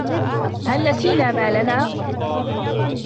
هل نسينا مالنا؟